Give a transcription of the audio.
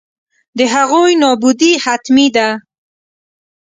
د هغوی نابودي حتمي ده.